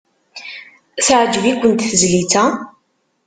Teɛjeb-ikent tezlit-a?